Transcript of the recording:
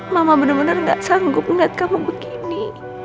mama bener bener gak sanggup ngeliat kamu begini